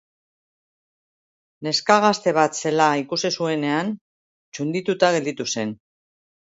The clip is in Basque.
Neska gazte bat zela ikusi zuenean txundituta gelditu zen.